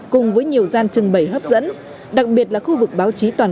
cùng với nhiều gian trưng bày hấp dẫn